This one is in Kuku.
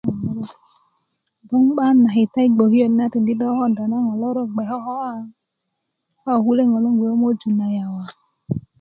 bgoŋ 'bakan na kita i na i bgokiyöt kulo tikikndi ŋutu i kokonda naŋo lorok bge koko'ya a ko kuleŋo loŋ bge ko moju na yawa